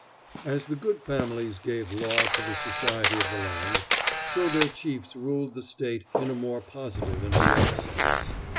As the good families gave law to the society of the land, so their chiefs ruled the State in a more positive and direct sense.